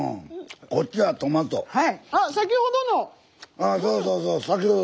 あそうそうそう。